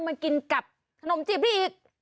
มากินกับขนมจีบได้อีก